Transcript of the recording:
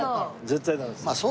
絶対ダメです。